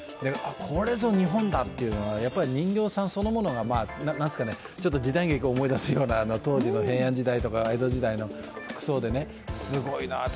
これぞ日本だっていうのは人形さんそのものが時代劇を思い出すような当時の平安時代とか江戸時代の服装で、すごいなと。